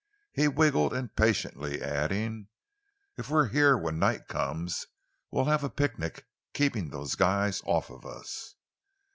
He wriggled impatiently, adding: "If we're here when night comes we'll have a picnic keepin' them guys off of us."